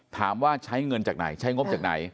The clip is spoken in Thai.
ถามว่าใช้เงินจากไหนใช้งบจากไหน